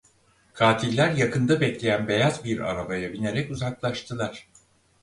Katiller yakında bekleyen beyaz bir arabaya binerek uzaklaştılar.